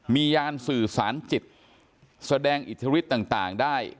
มียานสื่อสารจิตแสดงอิทธิฤทธิ์ต่างได้